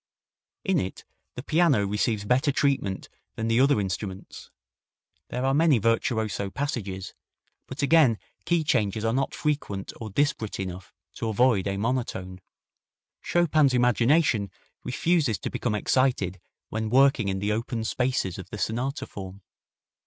In it the piano receives better treatment than the other instruments; there are many virtuoso passages, but again key changes are not frequent or disparate enough to avoid a monotone. Chopin's imagination refuses to become excited when working in the open spaces of the sonata form.